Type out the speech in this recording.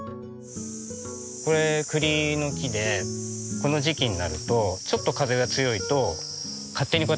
これ栗の木でこの時期になるとちょっと風が強いと勝手にこうやって落ちるんですよ。